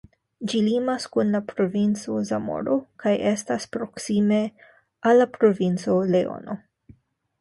Ĝi limas kun la provinco Zamoro kaj estas proksime al la provinco Leono.